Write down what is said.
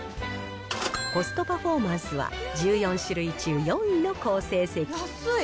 コストパフォーマンスは、１４種類中４位の好成績。